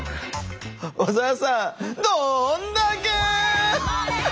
小沢さんどんだけ！